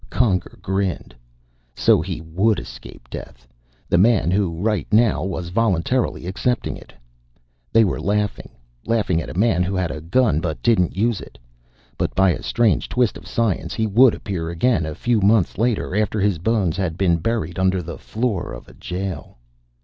Conger grinned. So he would escape death, the man who right now was voluntarily accepting it. They were laughing, laughing at a man who had a gun but didn't use it. But by a strange twist of science he would appear again, a few months later, after his bones had been buried under the floor of a jail.